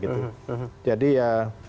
kita tidak bisa